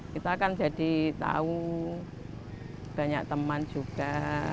kita kan jadi tahu banyak teman juga